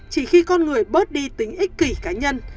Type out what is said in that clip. chỉ khi con người bớt đi tính ích kỷ cá nhân